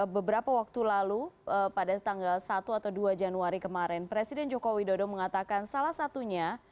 beberapa waktu lalu pada tanggal satu atau dua januari kemarin presiden joko widodo mengatakan salah satunya